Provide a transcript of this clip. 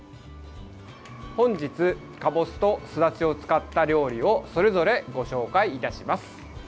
本日、かぼすとすだちを使った料理をそれぞれご紹介いたします。